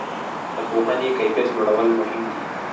د پوهنې کیفیت لوړول مهم دي؟